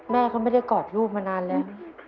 แม่เขาไม่ได้กอดลูกมานานแล้ว